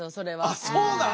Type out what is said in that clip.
あっそうなん？